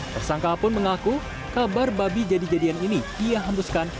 tersangka pun mengaku kabar babi jadi jadian ini ia hembuskan